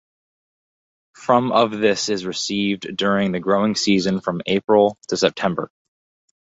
From of this is received during the growing season from April to September.